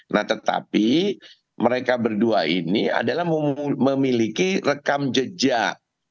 nah tetapi mereka berdua ini adalah memiliki rekam jejak